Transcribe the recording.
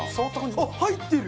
あっ入ってる！